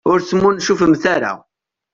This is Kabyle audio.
Ur smuncufemt ara.